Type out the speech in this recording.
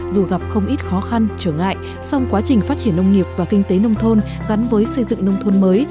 dù gặp không ít khó khăn trở ngại song quá trình phát triển nông nghiệp và kinh tế nông thôn gắn với xây dựng nông thôn mới